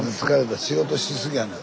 仕事し過ぎやねん。